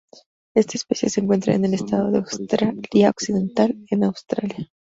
Este especie se encuentra en el estado de Australia Occidental, en Australia.